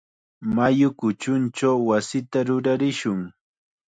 Mayu kuchunchaw wasita rurarishun.